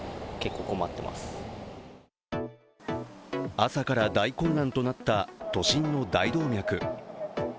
朝から大混乱となった都心の大動脈。